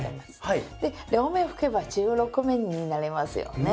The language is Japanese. で両面拭けば１６面になりますよね。